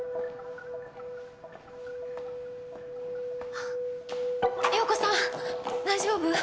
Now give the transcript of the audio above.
あっ洋子さん大丈夫？